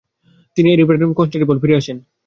তিনি এরিভান হয়ে কনস্টান্টিনোপল ফিরে আসেন।